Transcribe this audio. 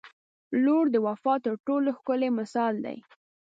• لور د وفا تر ټولو ښکلی مثال دی.